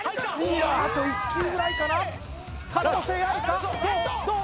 あと１球ぐらいかな可能性あるかどう？